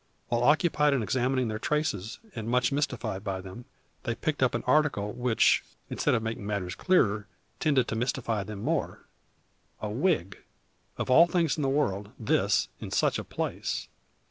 While occupied in examining their traces, and much mystified by them, they picked up an article, which, instead of making matters clearer, tended to mystify them more a wig! Of all things in the world this in such a place!